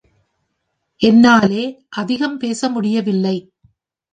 என்னாலே அதிகம் பேச முடியவில்லை.